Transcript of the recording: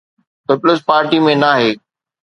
Peoples Party ۾ ناهي.